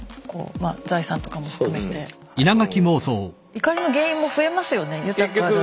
怒りの原因も増えますよね豊かだと。